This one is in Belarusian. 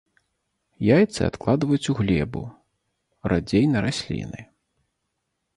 Яйцы адкладваюць у глебу, радзей на расліны.